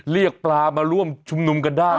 เรียกปลามาร่วมชุมนุมกันได้